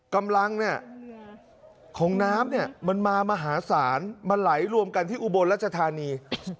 กำลังของน้ำเนี่ยมันมามหาศาลมันไหลรวมกันที่อุบลรัชธานี